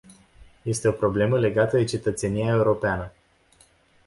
Este o problemă legată de cetățenia europeană.